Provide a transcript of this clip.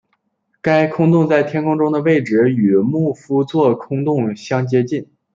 该空洞在天空中的位置与牧夫座空洞相接近。